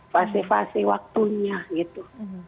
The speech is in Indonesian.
fase fase waktunya gitu